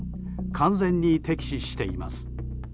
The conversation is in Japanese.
完全に敵視しています。